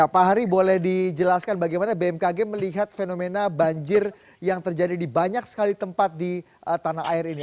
pak hari boleh dijelaskan bagaimana bmkg melihat fenomena banjir yang terjadi di banyak sekali tempat di tanah air ini